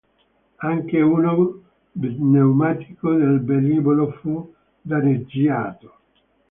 Anche uno pneumatico del velivolo fu danneggiato.